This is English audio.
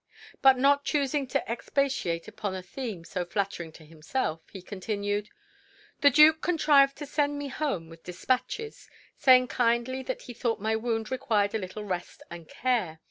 But not choosing to expatiate upon a theme so flattering to himself, he continued, "The Duke contrived to send me home with despatches, saying kindly that he thought my wound required a little rest and care.